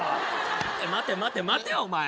待て待て待てお前。